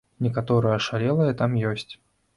Некаторыя ашалелыя там ёсць.